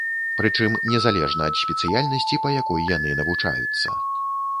Прычым незалежна ад спецыяльнасці, па якой яны навучаюцца.